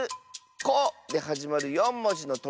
「コ」ではじまる４もじのとりだよ！